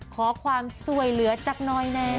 ขอความช่วยเหลือจากน้อยนะ